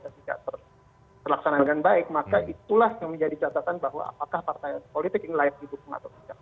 terlaksanakan baik maka itulah yang menjadi catatan bahwa apakah partai politik ini layak dibuka atau tidak